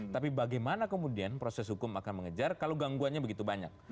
tapi bagaimana kemudian proses hukum akan mengejar kalau gangguannya begitu banyak